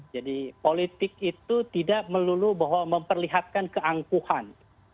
jadi politik itu tidak perlu memperlihatkan keangkuhan